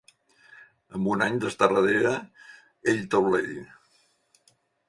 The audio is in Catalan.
Amb un any d'estar a darrera ell taulell